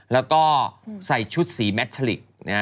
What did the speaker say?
แล้วก็ใส่ชุดสีแมทชะลิก